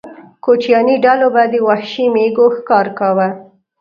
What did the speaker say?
کوچیاني ډلو به د وحشي مېږو ښکار کاوه.